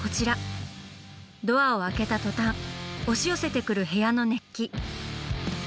ドアを開けた途端押し寄せてくる部屋の熱気。